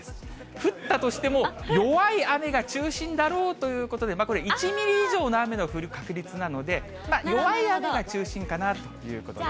降ったとしても弱い雨が中心だろうということで、これ、１ミリ以上の雨の降る確率なので、弱い雨が中心かなということです。